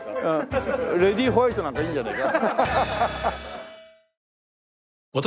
レディーホワイトなんかいいんじゃないか？